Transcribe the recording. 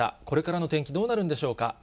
これからの天気、どうなるんでしょうか。